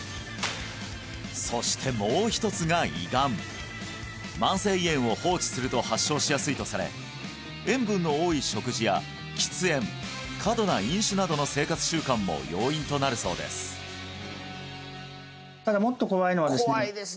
そしてもう一つが胃がん慢性胃炎を放置すると発症しやすいとされ塩分の多い食事や喫煙過度な飲酒などの生活習慣も要因となるそうです怖いですね